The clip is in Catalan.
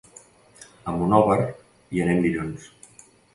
A Monòver hi anem dilluns.